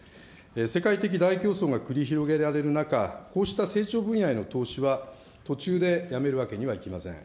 世界的大競争が繰り広げられる中、こうした成長分野への投資は、途中でやめるわけにはいきません。